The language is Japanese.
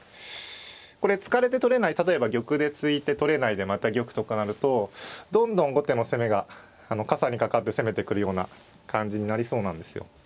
これ突かれて取れない例えば玉で突いて取れないでまた玉とかなるとどんどん後手の攻めがかさにかかって攻めてくるような感じになりそうなんですよ。